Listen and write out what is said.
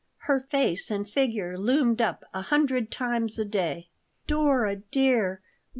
Her face and figure loomed up a hundred times a day. "Dora dear!